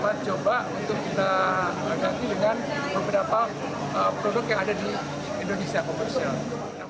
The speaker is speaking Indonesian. kita coba untuk kita ganti dengan beberapa produk yang ada di indonesia commercial